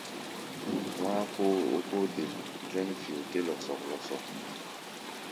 Wá̧á̧ kó ó ókó-de-zɛ̌ŋ-fio dé lɔsɔk-lɔsɔk.